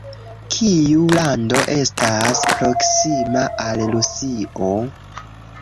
Kiu lando estas proksima al Rusio?